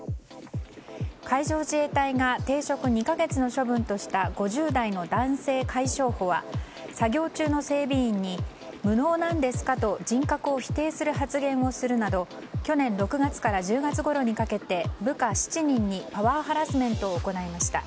海上自衛隊が停職２か月の処分とした５０代の男性海将補は作業中の整備員に無能なんですかと人格を否定する発言をするなど去年６月から１０月ごろにかけて部下７人にパワーハラスメントを行いました。